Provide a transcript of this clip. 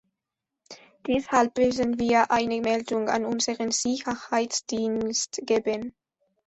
Deshalb werden wir eine Meldung an unseren Sicherheitsdienst geben.